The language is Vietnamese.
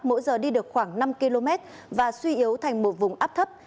mỗi giờ đi được khoảng năm km và suy yếu thành một vùng áp thấp